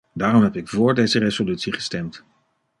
Daarom heb ik vóór deze resolutie gestemd.